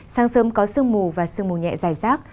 sáng sớm có sương mù và sương mù nhẹ dài rác